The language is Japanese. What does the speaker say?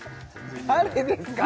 誰ですか？